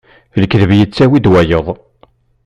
Lekdeb yettawi-d wayeḍ.